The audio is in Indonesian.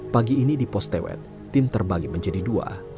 pagi ini di pos tewet tim terbagi menjadi dua